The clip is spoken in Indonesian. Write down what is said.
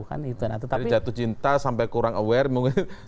jadi jatuh cinta sampai kurang aware mungkin